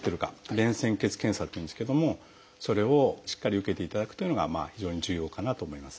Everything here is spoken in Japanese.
「便潜血検査」っていうんですけどもそれをしっかり受けていただくというのが非常に重要かなと思いますね。